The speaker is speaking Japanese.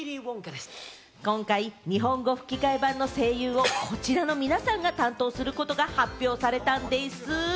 今回、日本語吹き替え版の声優をこちらの皆さんが担当することが発表されたんでぃす。